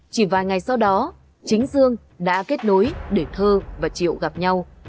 chỉ vài ngày sau đó chính dương đã kết nối để thơ và triệu gặp nhau